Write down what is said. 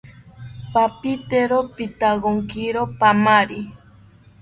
Papitero pitajonkiro paamari